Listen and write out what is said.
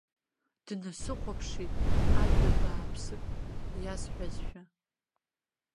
Днасыхәаԥшит, ажәа бааԥсык иасҳәазшәа.